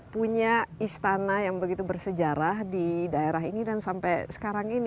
punya istana yang begitu bersejarah di daerah ini dan sampai sekarang ini